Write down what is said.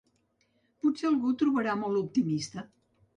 Potser algú ho trobarà molt optimista.